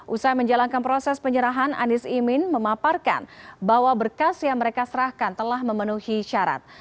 usai menjalankan proses penyerahan anies imin memaparkan bahwa berkas yang mereka serahkan telah memenuhi syarat